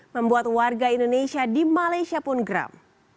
membuat warga indonesia di malaysia pun geram